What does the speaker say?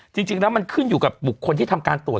จริงแล้วมันขึ้นอยู่กับบุคคลที่ทำการตรวจ